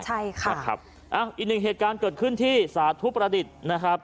ใช่ค่ะนะครับอ้าวอีกหนึ่งเหตุการณ์เกิดขึ้นที่สาธุประดิษฐ์นะครับ